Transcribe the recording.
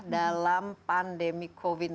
dalam pandemi covid sembilan belas